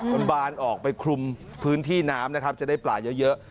มันบานออกไปคลุมพื้นที่น้ำนะครับจะได้ปลาเยอะ